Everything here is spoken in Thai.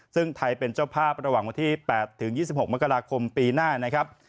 ซึ่งไทยเป็นเจ้าภาพระหว่างวันที่๘ถึง๒๖มกราคมปีหน้านะครับ